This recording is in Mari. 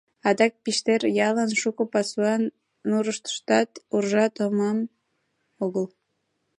Адак Пиштер ялын шуко пасуан нурыштыштат уржа томам огыл.